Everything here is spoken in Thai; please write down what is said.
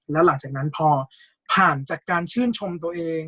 แล้วหลังจากนั้นพอผ่านจากการชื่นชมตัวเอง